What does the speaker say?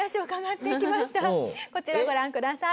今回こちらご覧ください。